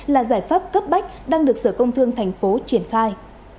là giải pháp cấp bách đang được sở công thương tp hcm triển khai